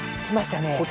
きましたね。